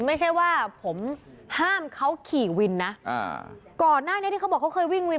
ไม่ใช่ว่าผมห้ามเขาขี่วินนะอ่าก่อนหน้านี้ที่เขาบอกเขาเคยวิ่งวิน